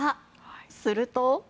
すると。